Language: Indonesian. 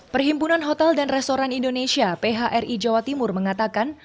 perhimpunan hotel dan restoran indonesia phri jawa timur mengatakan